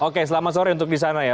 oke selamat sore untuk di sana ya